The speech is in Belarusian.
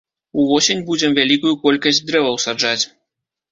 Увосень будзем вялікую колькасць дрэваў саджаць.